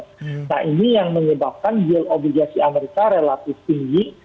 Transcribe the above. nah ini yang menyebabkan yield obligasi amerika relatif tinggi